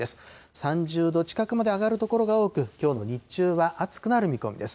３０度近くまで上がる所が多く、きょうの日中は暑くなる見込みです。